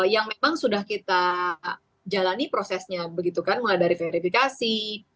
yang memang sudah kita jalani prosesnya begitu kan mulai dari verifikasi